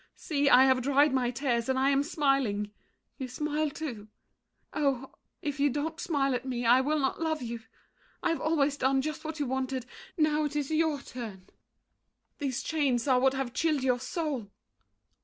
See, I have dried my tears, and I am smiling. You smile too. Oh, if you don't smile at me, I will not love you! I have always done Just what you wanted; now it is your turn. These chains are what have chilled your soul.